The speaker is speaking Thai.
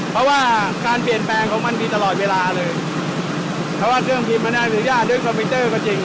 เพราะว่าการเปลี่ยนแปลงของมันมีตลอดเวลาเลยเพราะว่าเครื่องบินมันอนุญาตด้วยคอมพิวเตอร์ก็จริง